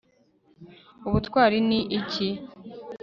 ubutwari ni iki